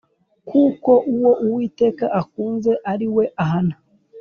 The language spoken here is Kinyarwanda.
Kuko uwo Uwiteka akunze, ari we ahana,